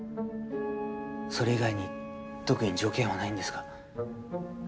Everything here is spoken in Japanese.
それ以外に特に条件はないんですが。